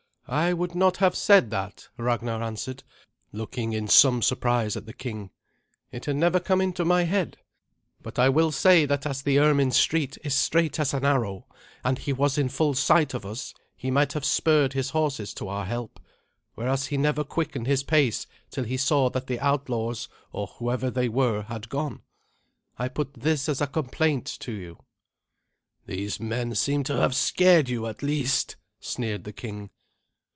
"I would not have said that," Ragnar answered, looking in some surprise at the king, "it had never come into my head. But I will say that as the Ermin Street is straight as an arrow, and he was in full sight of us, he might have spurred his horses to our help, whereas he never quickened his pace till he saw that the outlaws, or whoever they were, had gone. I put this as a complaint to you." "These men seem to have scared you, at least," sneered the king.